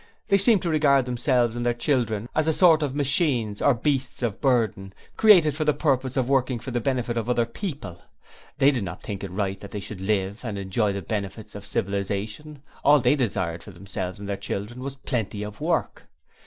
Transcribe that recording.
They seemed to regard themselves and their children as a sort of machines or beasts of burden, created for the purpose of working for the benefit of other people. They did not think it right that they should Live, and enjoy the benefits of civilization. All they desired for themselves and their children was 'Plenty of Work'.